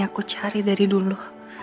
aku cari dari dulu